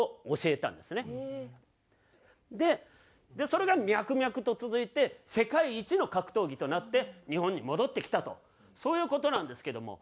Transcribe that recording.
それが脈々と続いて世界一の格闘技となって日本に戻ってきたとそういう事なんですけども。